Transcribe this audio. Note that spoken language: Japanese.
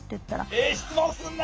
ええ質問するなあ。